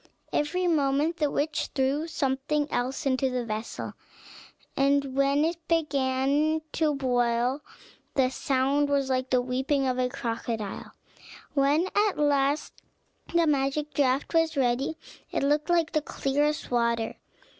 Every moment the witch threw something else into the vessel, and when it began to boil, the sound was like the weeping of a crocodile. When at last the magic draught was ready, it looked like the clearest water.